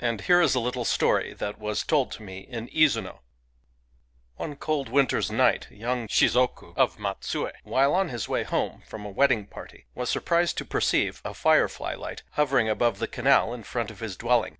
And here is a little story that was told me in Izuno: — One cold winter's night a young shizoku of Mat sue, while on his way home from a wedding party, was surprised to perceive a firefly light hovering above the canal in front of his dwelling.